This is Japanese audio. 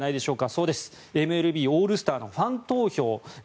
そうです、ＭＬＢオールスターのファン投票。